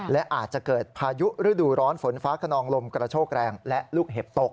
และอาจจะเกิดพายุฤดูร้อนฝนฟ้าขนองลมกระโชกแรงและลูกเห็บตก